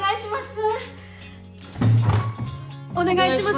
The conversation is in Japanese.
ぅお願いします